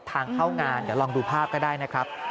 ทางเข้างานลองดูภาพก็ได้นะครับ